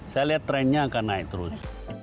saya lihat trennya akan naik terus